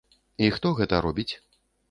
І хто гэта робіць?